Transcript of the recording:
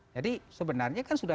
jadi sebenarnya kan sudah